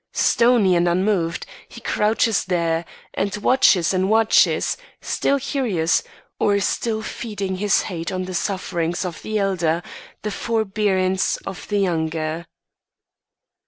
Stony and unmoved, he crouches there, and watches and watches still curious, or still feeding his hate on the sufferings of the elder, the forbearance of the younger.